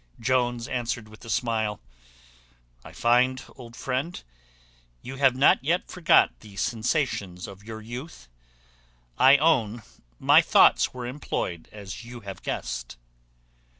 Jones answered with a smile, "I find, old friend, you have not yet forgot the sensations of your youth. I own my thoughts were employed as you have guessed."